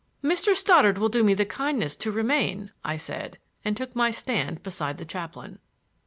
"Mr. Stoddard will do me the kindness to remain," I said and took my stand beside the chaplain.